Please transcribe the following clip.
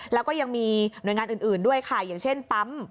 แล้วก็ยังมีหน่วยงานอื่นด้วยค่ะอย่างเช่นปั๊ม